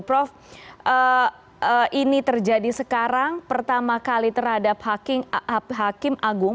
prof ini terjadi sekarang pertama kali terhadap hakim agung